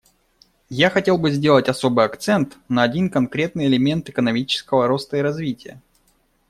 Я хотел бы сделать особый акцент на один конкретный элемент экономического роста и развития.